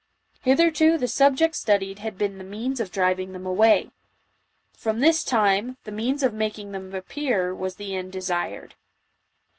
Hitherto, the object studied had been the means of driving them away; from this time, the means of making them appear, was the end desired.